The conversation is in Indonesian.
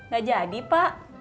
gak jadi pak